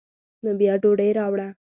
نو بیا ډوډۍ راوړه.